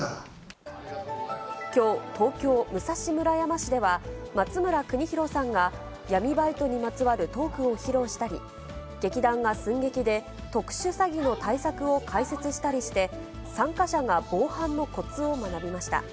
きょう、東京・武蔵村山市では、松村邦洋さんが闇バイトにまつわるトークを披露したり、劇団が寸劇で特殊詐欺の対策を解説したりして、参加者が防犯のコツを学びました。